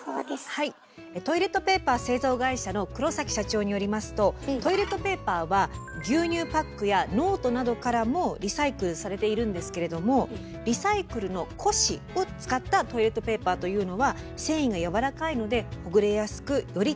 トイレットペーパー製造会社の黒社長によりますとトイレットペーパーは牛乳パックやノートなどからもリサイクルされているんですけれどもリサイクルの古紙を使ったトイレットペーパーというのは繊維がやわらかいのでほぐれやすくより